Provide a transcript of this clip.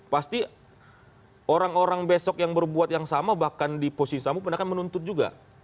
pasti orang orang besok yang berbuat yang sama bahkan di posisi sambu pun akan menuntut juga